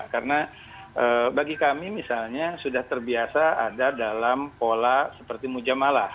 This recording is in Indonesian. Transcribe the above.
karena bagi kami misalnya sudah terbiasa ada dalam pola seperti mujamalah